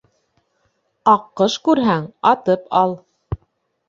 Аҡҡош күрһәң, атып ал